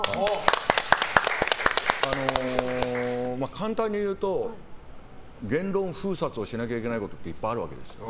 簡単に言うと言論封殺をしなきゃいけないことっていっぱいあるわけですよ。